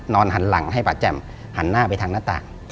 หันหลังให้ป่าแจ่มหันหน้าไปทางหน้าต่าง